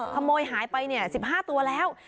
ขโมยหายไป๑๕ตัวแล้ว